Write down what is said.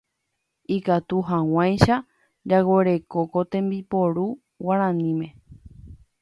Ikatu hag̃uáicha jaguereko ko tembiporu guaraníme